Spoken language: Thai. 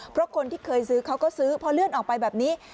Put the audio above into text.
เพราะคนที่เคยซื้อเขาก็ซื้อพอเลื่อนออกไปแบบนี้